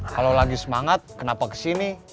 kalau lagi semangat kenapa kesini